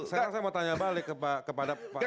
sekarang saya mau tanya balik kepada pak